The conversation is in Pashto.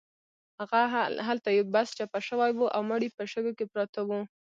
هلته یو بس چپه شوی و او مړي په شګو کې پراته وو.